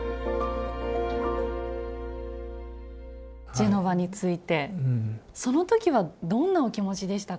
ジェノバに着いてその時はどんなお気持ちでしたか？